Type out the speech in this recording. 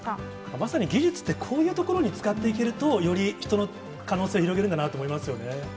まさに技術って、こういうところに使っていけると、より人の可能性、広げるんだなと思いますよね。